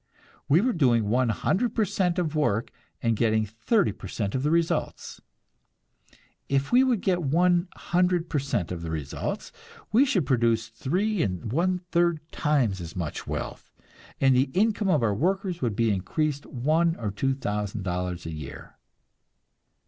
We were doing one hundred per cent of work and getting thirty per cent of results. If we would get one hundred per cent of results, we should produce three and one third times as much wealth, and the income of our workers would be increased one or two thousand dollars a year.